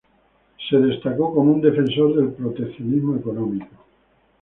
Se destacó como un defensor del proteccionismo económico.